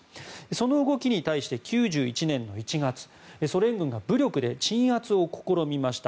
その動きに対して９１年の１月ソ連軍が武力で鎮圧を試みました。